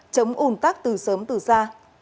chống ủng tắc từ sớm từ xa